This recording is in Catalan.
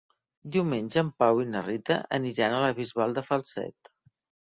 Diumenge en Pau i na Rita aniran a la Bisbal de Falset.